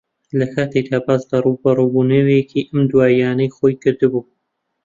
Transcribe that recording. لەکاتێکدا باسی لە ڕووبەڕووبوونەوەیەکی ئەم دواییانەی خۆی کردبوو